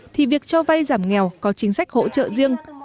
thì việc cho vay giảm nghèo có chính sách hỗ trợ riêng